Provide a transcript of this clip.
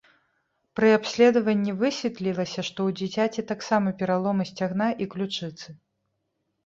Пры абследаванні высветлілася, што ў дзіцяці таксама пераломы сцягна і ключыцы.